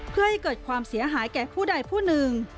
เพื่อให้เกิดความเสียหายแก่ผู้ใดผู้หนึ่ง